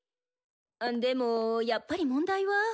あでもやっぱり問題は。